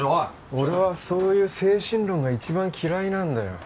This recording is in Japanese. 俺はそういう精神論が一番嫌いなんだよ